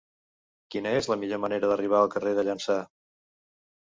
Quina és la millor manera d'arribar al carrer de Llança?